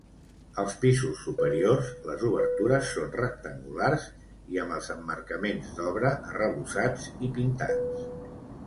Als pisos superiors, les obertures són rectangulars i amb els emmarcaments d'obra arrebossats i pintats.